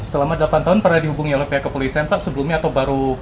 selama delapan tahun pernah dihubungi oleh pihak kepolisian pak sebelumnya atau baru